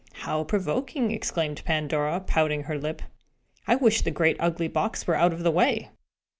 "How provoking!" exclaimed Pandora, pouting her lip. "I wish the great ugly box were out of the way!"